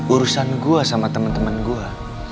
urusan gua sama temen temen gua